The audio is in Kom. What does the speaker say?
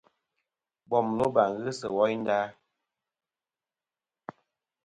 Bom loba ghɨ sɨ woynda.